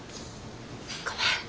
ごめん。